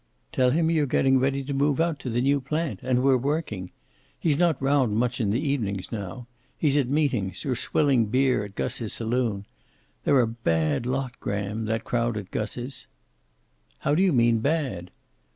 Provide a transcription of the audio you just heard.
"Tell him you're getting ready to move out to the new plant, and we're working. He's not round much in the evenings now. He's at meetings, or swilling beer at Gus's saloon. They're a bad lot, Graham, that crowd at Gus's." "How do you mean, bad?"